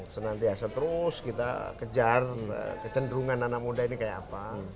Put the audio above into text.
senantiasa terus kita kejar kecenderungan anak muda ini kayak apa